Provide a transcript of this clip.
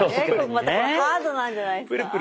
またこれハードなんじゃないですか。